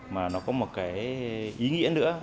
mà nó có một ý nghĩa nữa